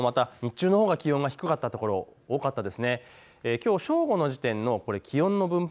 きょうは朝よりもまた日中のほうが気温が低かった所、多かったですね。